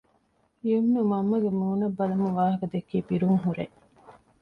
ޔުމްނު މަންމަގެ މޫނަށް ބަލަމުން ވާހަކަދެއްކީ ބިރުން ހުރޭ